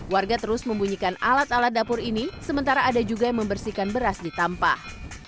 warga terus membunyikan alat alat dapur ini sementara ada juga yang membersihkan beras di tampah